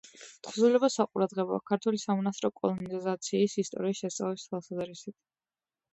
თხზულება საყურადღებოა ქართული სამონასტრო კოლონიზაციის ისტორიის შესწავლის თვალსაზრისით.